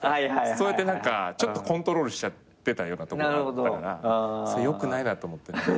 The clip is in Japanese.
そうやってコントロールしちゃってたようなとこもあったからよくないなと思って。